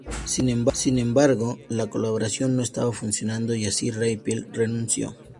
Sin embargo, la colaboración no estaba funcionando y así Raphael renunció.